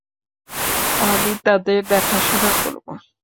আমি তাদের দেখাশোনা করব।